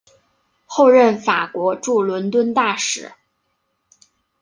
后任法国驻伦敦大使。